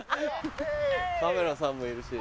カメラさんもいるし。